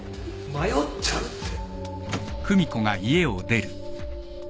迷っちゃうって